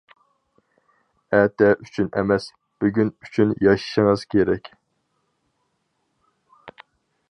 ئەتە ئۈچۈن ئەمەس، بۈگۈن ئۈچۈن ياشىشىڭىز كېرەك.